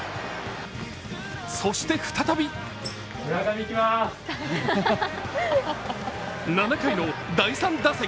そして再び７回の第３打席。